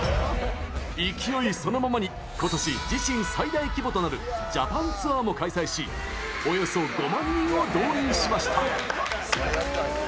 勢いそのままに今年、自身最大規模となるジャパンツアーも開催しおよそ５万人を動員しました。